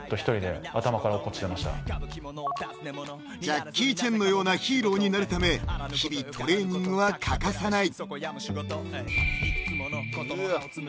［ジャッキー・チェンのようなヒーローになるため日々トレーニングは欠かさない］